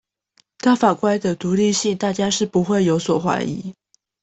大法官的獨立性大家是不會有所懷疑